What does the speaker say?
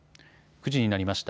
９時になりました。